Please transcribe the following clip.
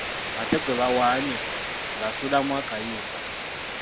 Ate gwe bawaanye; ng’asuulamu akayimba.